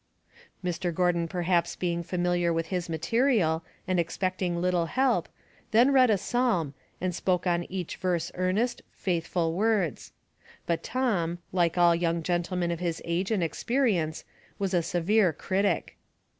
Mr. Gordon perhaps being familiar with his ma terial, and expecting little help, then read a psalm, and spoke on each verse earnest, faithful 72 Household Puzzles, words ; but Tom, like all young gentlemen of hia age and experience, was a severe critic.